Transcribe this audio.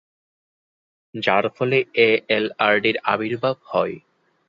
যার ফলে এএলআরডির আবির্ভাব হয়।